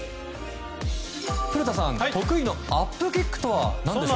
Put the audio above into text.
古田さん、得意のアップキックとは何でしょう。